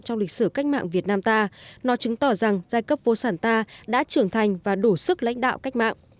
trong lịch sử cách mạng việt nam ta nó chứng tỏ rằng giai cấp vô sản ta đã trưởng thành và đủ sức lãnh đạo cách mạng